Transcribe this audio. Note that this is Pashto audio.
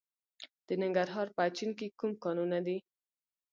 د ننګرهار په اچین کې کوم کانونه دي؟